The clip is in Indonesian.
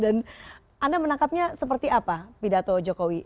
dan anda menangkapnya seperti apa pidato jokowi